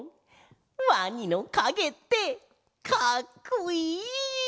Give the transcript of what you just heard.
ワニのかげってかっこいい！